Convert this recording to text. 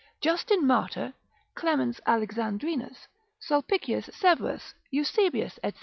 Justin Martyr, Clemens Alexandrinus, Sulpicius Severus, Eusebius, etc.